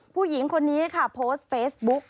ผู้หญิงคนนี้ค่ะโพสต์เฟซบุ๊ก